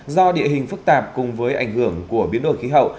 do địa hình phức tạp cùng với ảnh hưởng của biến đổi khí hậu